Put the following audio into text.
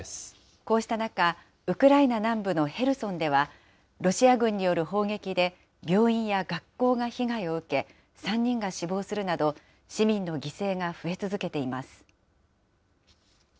こうした中、ウクライナ南部のヘルソンでは、ロシア軍による砲撃で、病院や学校が被害を受け、３人が死亡するなど、市民の犠牲が増え続けています。